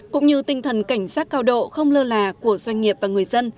cũng như tinh thần cảnh giác cao độ không lơ là của doanh nghiệp và người dân